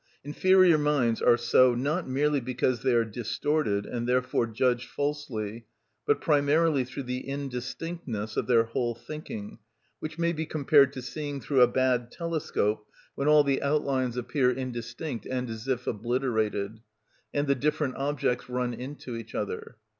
Inferior minds are so not merely because they are distorted, and therefore judge falsely, but primarily through the indistinctness of their whole thinking, which may be compared to seeing through a bad telescope, when all the outlines appear indistinct and as if obliterated, and the different objects run into each other.